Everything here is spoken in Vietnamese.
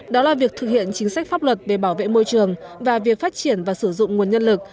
đó là việc thực hiện chính sách pháp luật về bảo vệ môi trường và việc phát triển và sử dụng nguồn nhân lực